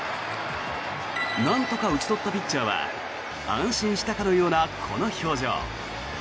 なんとか打ち取ったピッチャーは安心したかのようなこの表情。